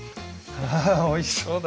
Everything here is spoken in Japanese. あおいしそうだ。